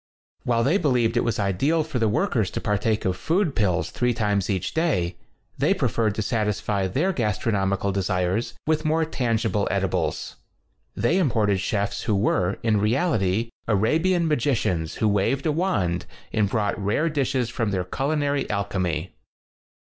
While they believed it was ideal for the workers to par take of food pills three times each day, they preferred to satisfy their gastronomical desires with more tan gible edibles. They imported chefs who were, in reality, Arabian magi cians who waved a wand and brought rare dishes from their culinary al chemy.